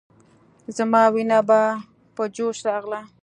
زما وينه به په جوش راغله.